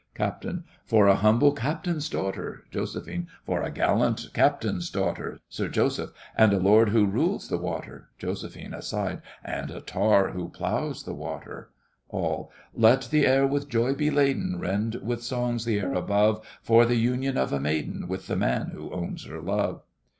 CAPT. For a humble captain's daughter— JOS. For a gallant captain's daughter— SIR JOSEPH. And a lord who rules the water— JOS. (aside). And a tar who ploughs the water! ALL. Let the air with joy be laden, Rend with songs the air above, For the union of a maiden With the man who owns her love!